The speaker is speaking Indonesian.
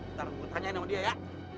ntar buat tanyain sama dia ya